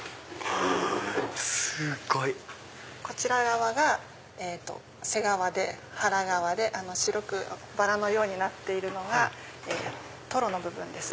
すごい！こちら側が背側で腹側で白くバラのようになっているのがトロの部分です。